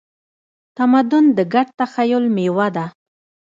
تمدن د ګډ تخیل میوه ده.